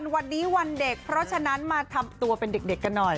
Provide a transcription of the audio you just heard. วันนี้วันเด็กเพราะฉะนั้นมาทำตัวเป็นเด็กกันหน่อย